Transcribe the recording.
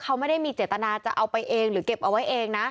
เขาไม่ได้มีเจตนาจะเอาไปเองหรือเก็บเอาไว้เองนะ